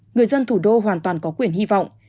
người dân thủ đô hoàn toàn có quyền hy vọng